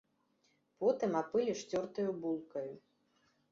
Потым апыліш цёртаю булкаю.